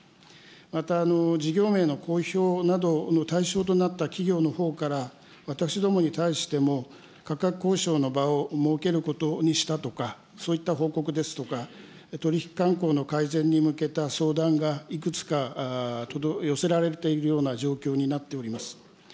また、事業名の公表などの対象となった企業のほうから、私どもに対しても、価格交渉の場を設けることにしたとか、そういった報告ですとか、取り引き慣行の改善に向けた相談がいくつか寄せられているような状況になっております。